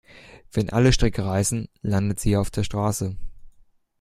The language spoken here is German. Wenn alle Stricke reißen, landet sie auf der Straße.